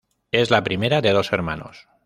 Es la primera de dos hermanos.